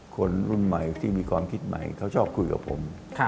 คนรุ่นใหม่ที่มีความคิดใหม่เขาชอบคุยกับผม